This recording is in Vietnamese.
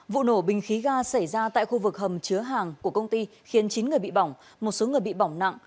vụ nổ bình khí ga xảy ra tại khu vực hầm chứa hàng của công ty khiến chín người bị bỏng một số người bị bỏng nặng